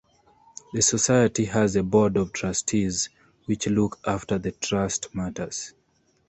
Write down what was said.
The society has a board of trustees which look after the trust matters.